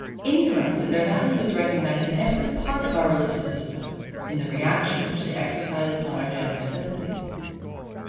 Indirectly their value is recognized in every part of our religious system, in the reaction which they exercise upon our generous sympathies.